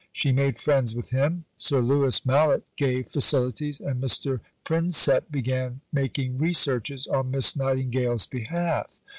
She made friends with him; Sir Louis Mallet gave facilities, and Mr. Prinsep began making researches on Miss Nightingale's behalf.